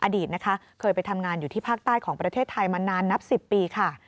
อดีตนะคะเคยไปทำงานอยู่ที่ภาคใต้ของประเทศไทยมานานนับ๑๐ปีค่ะ